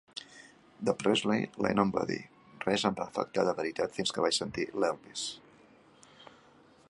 De Presley, Lennon va dir: "Res em va afectar de veritat fins que vaig sentir l'Elvis".